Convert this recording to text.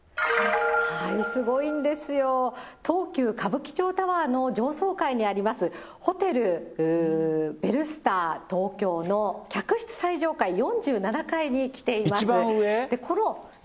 すごいんですよ、東急歌舞伎町タワーの上層階にあります、ホテルベルスタートーキョーの客室最上階、４７階に来ています。